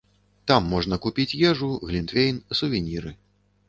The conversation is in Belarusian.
Там можна купіць ежу, глінтвейн, сувеніры.